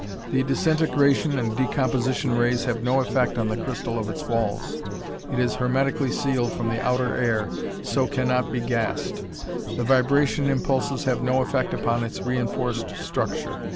The disintegration and decomposition rays have no effect on the crystal of its walls. It is hermetically sealed from the outer air so can not be gassed. The vibration impulses have no effect upon its reinforced structure.